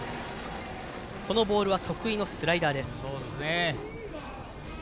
このボールは得意のスライダーです。